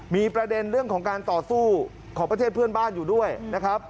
มีประเด็นเรื่องของการต่อสู้ของประเทศเพื่อนบ้านอยู่ด้วยนะครับ